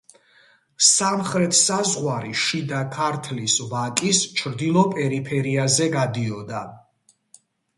სამხრეთ საზღვარი შიდა ქართლის ვაკის ჩრდილო პერიფერიაზე გადიოდა.